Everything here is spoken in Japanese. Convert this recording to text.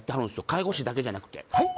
介護士だけじゃなくてはい？